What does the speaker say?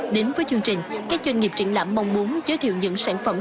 đến với chương trình các doanh nghiệp triển lãm mong muốn giới thiệu những sản phẩm